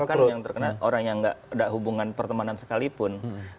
terus ada orang yang terkena orang yang enggak ada hubungan pertemanan sekalipun